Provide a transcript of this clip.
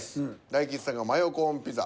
大吉さんが「マヨコーンピザ」。